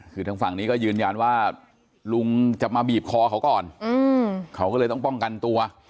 คือทางฝั่งนี้ก็ยืนยันว่าลุงจะมาบีบคอเขาก่อนเขาก็เลยต้องป้องกันตัว